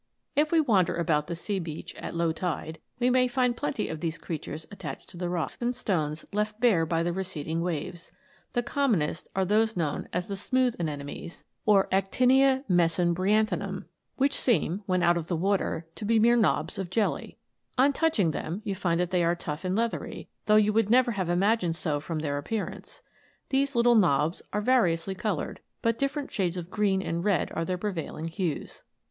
If we wander about the sea beach at low tide, we may find plenty of these creatures attached to the rocks and stones left bare by the receding waves. The commonest are those known as the smooth anemones,* which seem, when out of the water, to be mere knobs of jelly. On touching them you find that they are tough and leathery, though you would never have imagined so from their appearance. These little knobs are variously coloured, but diffe rent shades of green and red are their prevailing hues.